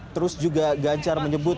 terus juga gancar menyebut